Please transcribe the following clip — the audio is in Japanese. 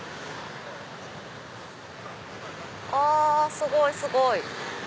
あすごいすごい！